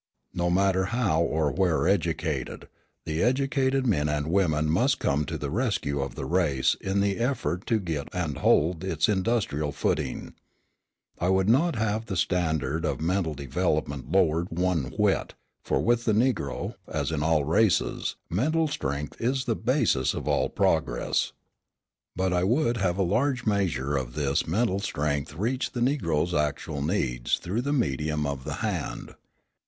No matter how or where educated, the educated men and women must come to the rescue of the race in the effort to get and hold its industrial footing. I would not have the standard of mental development lowered one whit; for, with the Negro, as with all races, mental strength is the basis of all progress. But I would have a large measure of this mental strength reach the Negroes' actual needs through the medium of the hand.